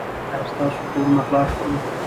ایا ستاسو پورونه خلاص شول؟